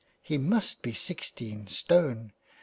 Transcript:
He must be sixteen stone